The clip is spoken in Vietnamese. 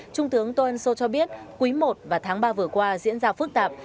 trung tướng toan so cho biết quý i và tháng iii vừa qua diễn ra phức tạp